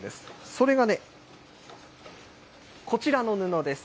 それがね、こちらの布です。